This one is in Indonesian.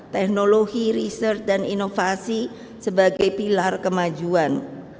teknologi riset dan inovasi sebagai pilar kemajuan